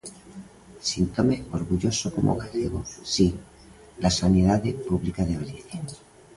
Síntome orgulloso como galego, si, da sanidade pública de Galicia.